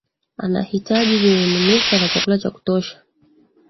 anahitaji vimiminika na chakula cha kutosha